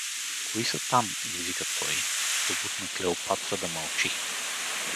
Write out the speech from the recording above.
— Кои са там? — извика той, като бутна Клеопатра да мълчи.